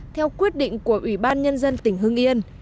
theo quyết định của ủy ban nhân dân tỉnh hưng yên